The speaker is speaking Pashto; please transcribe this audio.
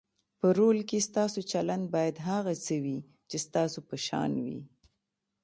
په رول کې ستاسو چلند باید هغه څه وي چې ستاسو په شان وي.